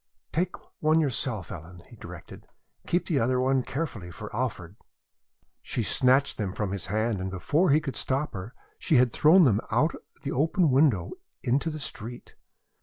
"Take one yourself, Ellen," he directed. "Keep the other one carefully for Alfred." She snatched them from his hand and before he could stop her she had thrown them out of the open window into the street.